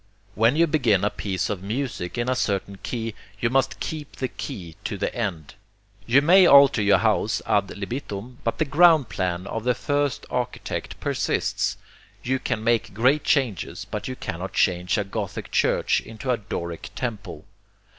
When you begin a piece of music in a certain key, you must keep the key to the end. You may alter your house ad libitum, but the ground plan of the first architect persists you can make great changes, but you cannot change a Gothic church into a Doric temple.